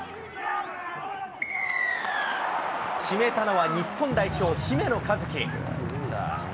決めたのは日本代表、姫野和樹。